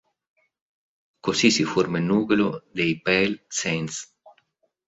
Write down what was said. Così si forma il nucleo dei Pale Saints.